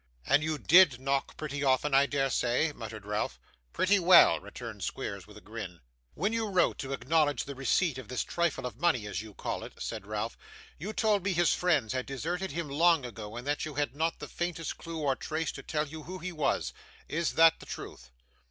'And you DID knock pretty often, I dare say?' muttered Ralph. 'Pretty well,' returned Squeers with a grin. 'When you wrote to acknowledge the receipt of this trifle of money as you call it,' said Ralph, 'you told me his friends had deserted him long ago, and that you had not the faintest clue or trace to tell you who he was. Is that the truth?